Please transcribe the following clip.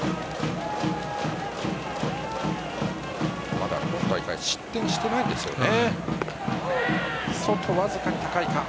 まだ今大会失点してないんですよね。